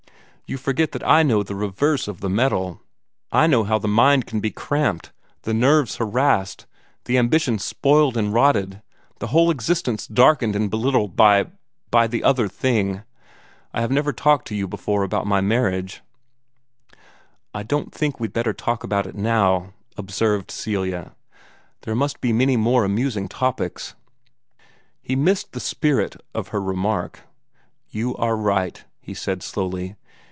You forget that I know the reverse of the medal. I know how the mind can be cramped, the nerves harassed, the ambitions spoiled and rotted, the whole existence darkened and belittled, by by the other thing. I have never talked to you before about my marriage." "I don't think we'd better talk about it now," observed Celia. "There must be many more amusing topics." He missed the spirit of her remark. "You are right," he said slowly.